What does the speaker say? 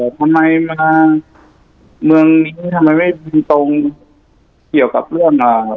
ทำไมทางเมืองนี้ทำไมไม่ยิงตรงเกี่ยวกับเรื่องอ่า